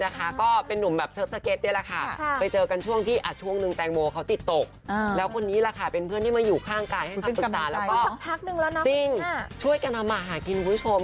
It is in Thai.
ก็สักพักหนึ่งแล้วนะจริงช่วยกันเอามาหากินคุณผู้ชม